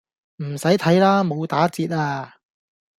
唔洗睇喇，冇打折呀